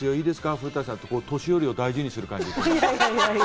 古舘さんって、年寄りを大事にする感じ。